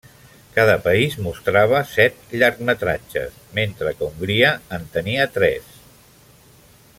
Cada país mostrava set llargmetratges, mentre que Hongria en tenia tres.